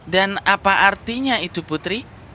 dan apa artinya itu putri